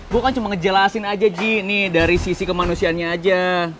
gue kan cuma ngejelasin aja ji nih dari sisi kemanusiaannya aja